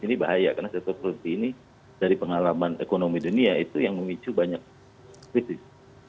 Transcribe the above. ini bahaya karena sektor politik ini dari pengalaman ekonomi dunia itu yang memicu banyak krisis